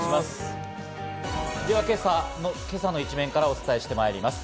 今朝の一面からお伝えしてまいります。